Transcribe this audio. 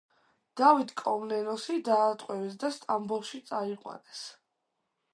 დავით კომნენოსი დაატყვევეს და სტამბოლში წაიყვანეს.